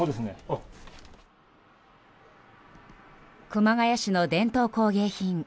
熊谷市の伝統工芸品